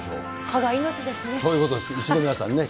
歯が命ですね。